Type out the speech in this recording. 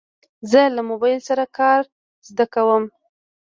زه له موبایل سره کار زده کوم.